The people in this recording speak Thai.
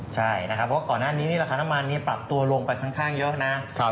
ใช่นะครับเพราะว่าก่อนหน้านี้นี่ราคาน้ำมันนี้ปรับตัวลงไปค่อนข้างเยอะนะ